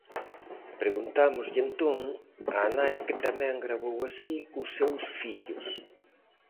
Preguntámoslle, entón, á nai que tamén gravou así os seus fillos.